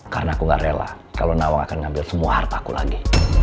karena aku gak rela kalau nawang akan ngambil semua harta aku lagi